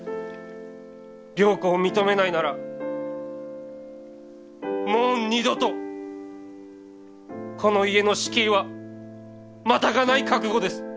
良子を認めないならもう二度とこの家の敷居はまたがない覚悟です。